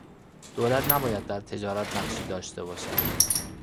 دولت نباید در تجارت نقشی داشته باشد.